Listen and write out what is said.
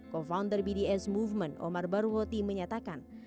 co founder bds movement omar baruhoti menyatakan